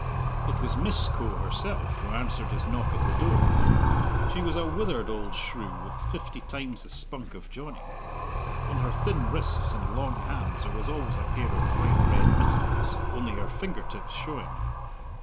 It was Miss Coe herself who answered his knock at the door. She was a withered old shrew, with fifty times the spunk of Johnny. On her thin wrists and long hands there was always a pair of bright red mittens, only her finger tips showing.